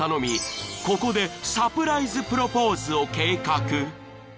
ここでサプライズ・プロポーズを計画］